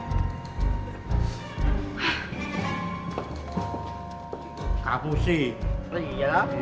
kamu sih teriak